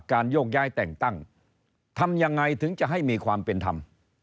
โยกย้ายแต่งตั้งทำยังไงถึงจะให้มีความเป็นธรรม